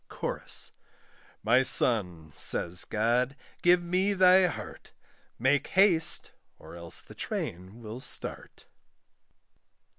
CHORUS. "My son," says God, "give me thy heart, Make haste, or else the train will start."